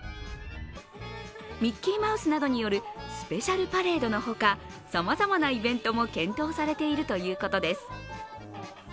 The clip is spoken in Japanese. ミッキーマウスなどによるスペシャルパレードのほかさまざまなイベントも検討されているということです。